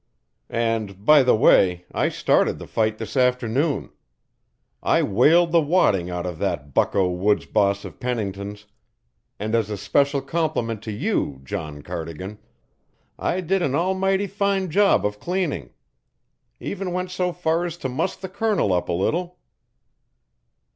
And by the way, I started the fight this afternoon. I whaled the wadding out of that bucko woods boss of Pennington's, and as a special compliment to you, John Cardigan, I did an almighty fine job of cleaning. Even went so far as to muss the Colonel up a little."